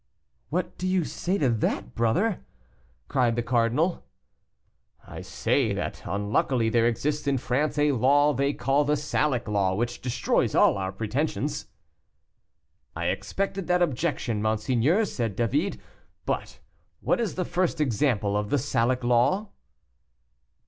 "What do you say to that, brother?" cried the cardinal. "I say, that unluckily there exists in France a law they call the Salic law, which destroys all our pretensions." "I expected that objection, monseigneur," said David, "but what is the first example of the Salic law?"